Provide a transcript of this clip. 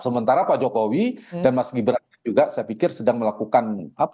sementara pak jokowi dan mas gibran juga saya pikir sedang melakukan